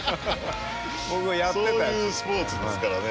そういうスポーツですからね。